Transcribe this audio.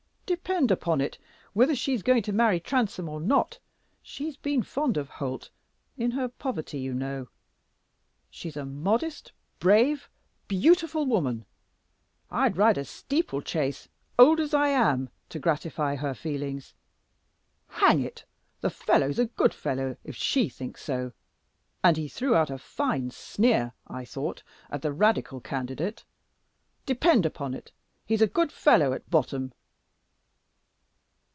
Depend upon it, whether she's going to marry Transome or not, she's been fond of Holt in her poverty, you know. She's a modest, brave, beautiful woman. I'd ride a steeple chase, old as I am, to gratify her feelings. Hang it! the fellow's a good fellow if she thinks so. And he threw out a fine sneer, I thought, at the Radical candidate. Depend upon it, he's a good fellow at bottom."